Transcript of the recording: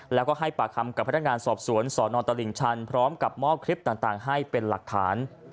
แล้วก็ให้ปากคำกับพนักงานสอบสวนสนตลิ่งชันพร้อมกับมอบคลิปต่างให้เป็นหลักฐาน